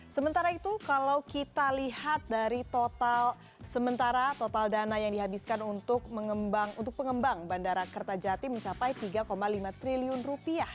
sementara itu kalau kita lihat dari total sementara total dana yang dihabiskan untuk pengembang bandara kertajati mencapai tiga lima triliun rupiah